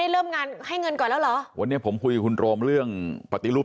เริ่มงานให้เงินก่อนแล้วเหรอวันนี้ผมคุยกับคุณโรมเรื่องปฏิรูป